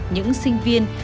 những sinh viên